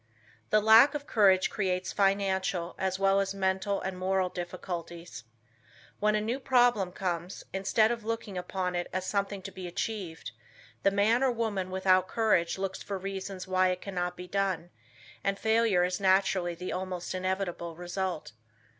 The lack of courage creates financial, as well as mental and moral difficulties. When a new problem comes, instead of looking upon it as something to be achieved, the man or woman without courage looks for reasons why it cannot be done and failure is naturally the almost inevitable result.